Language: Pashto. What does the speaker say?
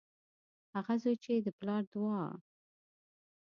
هغه زوی چې د پلار د دعا